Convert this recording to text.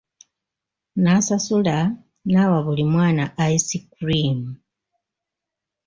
Nasasula n'awa buli mwana ice cream.